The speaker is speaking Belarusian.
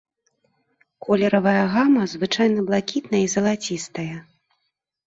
Колеравая гама звычайна блакітная і залацістая.